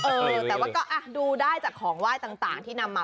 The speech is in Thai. เออแต่ว่าก็ดูได้จากของไหว้ต่างที่นำมา